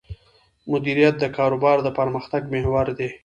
مدیریت د کاروبار د پرمختګ محور دی.